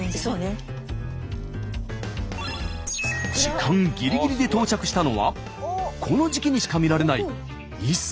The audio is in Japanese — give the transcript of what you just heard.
時間ぎりぎりで到着したのはこの時期にしか見られないいすみの絶景。